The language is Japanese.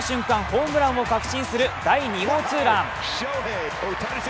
ホームランを確信する第２号ツーラン。